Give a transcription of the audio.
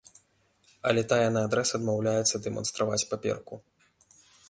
Але тая наадрэз адмаўляецца дэманстраваць паперку.